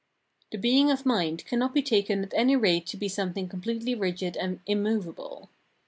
The being of mind cannot be taken at any rate to be something completely rigid and innnovable.